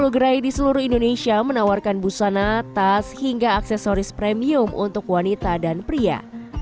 sepuluh gerai di seluruh indonesia menawarkan busana tas hingga aksesoris premium untuk wanita dan pria